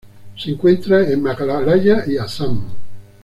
Se encuentra en Meghalaya y Assam.